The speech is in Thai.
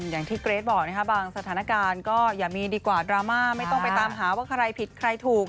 เกรทบอกนะคะบางสถานการณ์ก็อย่ามีดีกว่าดราม่าไม่ต้องไปตามหาว่าใครผิดใครถูก